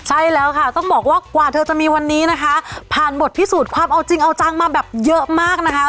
ใช่แล้วค่ะต้องบอกว่ากว่าเธอจะมีวันนี้นะคะผ่านบทพิสูจน์ความเอาจริงเอาจังมาแบบเยอะมากนะคะ